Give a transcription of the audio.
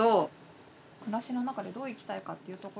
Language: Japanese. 暮らしの中でどう生きたいかというところを。